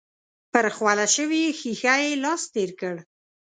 پر خوله شوې ښيښه يې لاس تېر کړ.